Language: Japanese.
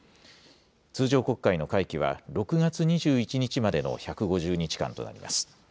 通常国会の会期は、６月２１日までの１５０日間となります。